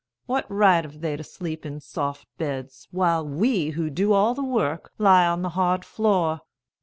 What right have they to sleep in soft beds, while we, who do all the work, lie on the hard floor?